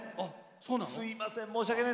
すみません。